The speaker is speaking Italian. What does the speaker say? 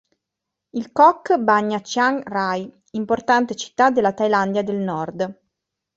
Il Kok bagna Chiang Rai, importante città della Thailandia del Nord.